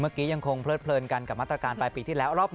เมื่อกี้ยังคงเพลิดเพลินกันกับมาตรการปลายปีที่แล้ว